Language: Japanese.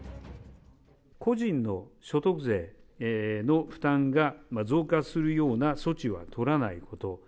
個人の所得税の負担が増加するような措置は取らないこと。